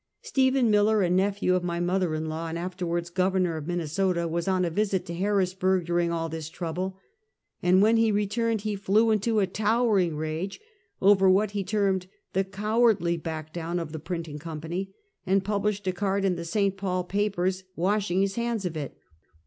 Stephen Miller, a nephew of my mother in law, and afterwards governor of Minnesota, was on a visit to Harrisburg during all this trouble, and when he returned, he flew into a towering rage over what he termed the cowardly back down of the ]3rinting company, and published a card in the St. Paul papers, washing his hands of it.